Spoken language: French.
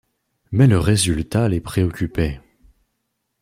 Mais le résultat les préoccupait.